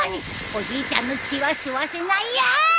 おじいちゃんの血は吸わせないよー！